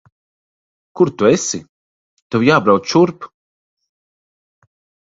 Kur tu esi? Tev jābrauc šurp.